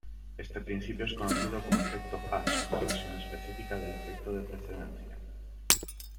Este principio es conocido como Efecto Haas, una versión específica del efecto de precedencia.